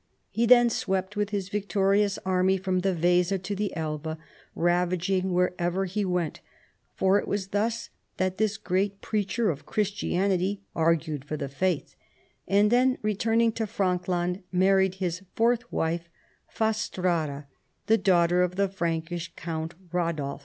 He then swept with his victorious army from the Weser to the Elbe, ravaging wherever he went — for it was thus that this great preacher of Christianity argued for the faith — and then return ing to Frankland married his fourth wife, Fastrada, the daughter of the Prankish count Radolf.